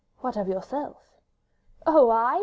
"What of yourself?" "Oh, I?"